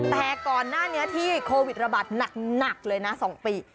แต่ก่อนหน้านี้ที่โควิดระบาดหนักเลยนะ๒ปี